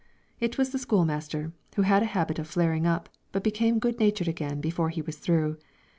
It was the school master, who had a habit of flaring up, but becoming good natured again before he was through.